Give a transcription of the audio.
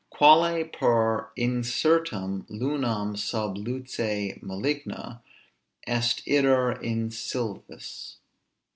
Quale per incertam lunam sub luce maligna Est iter in sylvis.